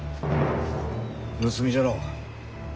盗みじゃろ。